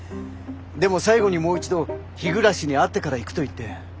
でも最後にもう一度日暮に会ってから行くと言って。